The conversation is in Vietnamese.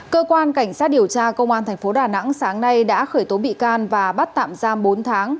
cơ quan cảnh sát điều tra công an thành phố đà nẵng sáng nay đã khởi tố bị can và bắt tạm giam bốn tháng